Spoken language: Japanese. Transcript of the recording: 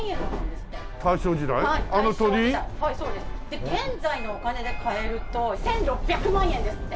で現在のお金で換えると１６００万円ですって。